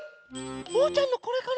おうちゃんのこれかな？